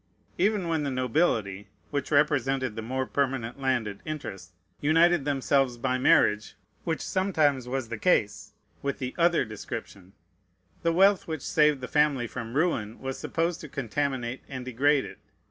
Even when the nobility, which represented the more permanent landed interest, united themselves by marriage (which sometimes was the case) with the other description, the wealth which saved the family from ruin was supposed to contaminate and degrade it.